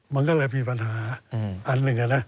มันก็เลยมีปัญหาอันหนึ่งนะ